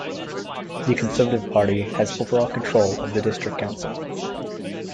The Conservative Party has overall control of the district council.